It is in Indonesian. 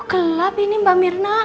kok gelap ini mba mirna